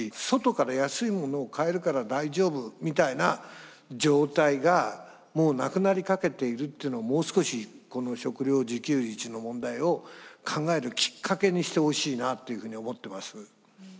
外から安いものを買えるから大丈夫みたいな状態がもうなくなりかけているっていうのをもう少しこの食料自給率の問題を考えるきっかけにしてほしいなというふうに思ってます。